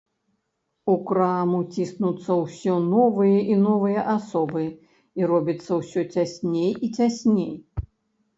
У краму ціснуцца ўсё новыя і новыя асобы, і робіцца ўсё цясней і цясней.